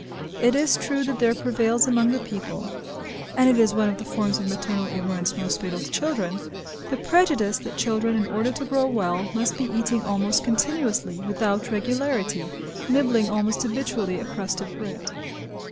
It is true that there prevails among the people (and it is one of the forms of maternal ignorance most fatal to children) the prejudice that children in order to grow well must be eating almost continuously, without regularity, nibbling almost habitually a crust of bread.